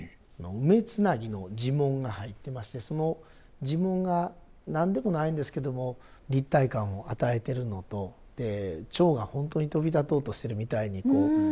梅繋の地紋が入ってましてその地紋が何でもないんですけども立体感を与えてるのと蝶が本当に飛び立とうとしてるみたいにこう見える。